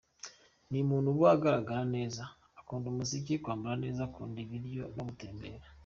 Ni umuntu uba ugaragara neza, ukunda umuziki, kwambara neza ,ukunda ibiryo no gutembera.